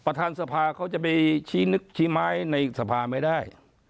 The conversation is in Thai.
ประธานสภาเขาจะไปชี้นึกชี้ไม้ในสภาไม่ได้